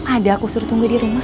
ada aku suruh tunggu di rumah